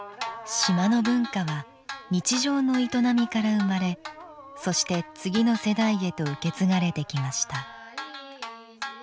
島の文化は日常の営みから生まれ、そして次の世代へと受け継がれてきました。